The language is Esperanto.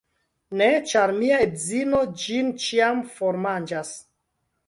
Ne, ĉar mia edzino ĝin ĉiam formanĝas.